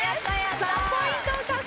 ３ポイント獲得。